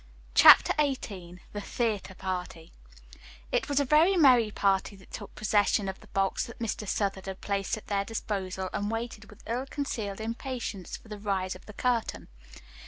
CHAPTER XVIII THE THEATRE PARTY It was a very merry party that took possession of the box that Mr. Southard had placed at their disposal and waited with ill concealed impatience for the rise of the curtain.